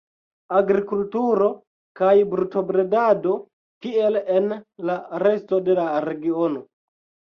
Agrikulturo kaj brutobredado, kiel en la resto de la regiono.